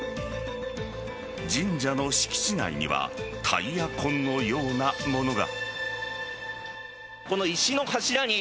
神社の敷地内にはタイヤ痕のようなものが。